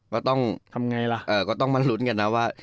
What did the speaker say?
ก็ต้องทำไงล่ะก็ต้องมาลุ้นกันนะว่า